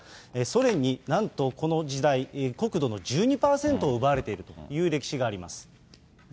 ソ連になんとこの時代、国土の１２％を奪われているという歴史があります。